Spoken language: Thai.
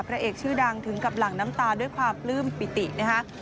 เอกชื่อดังถึงกับหลั่งน้ำตาด้วยความปลื้มปิตินะคะ